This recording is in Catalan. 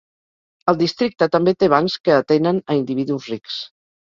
El districte també té bancs que atenen a individus rics.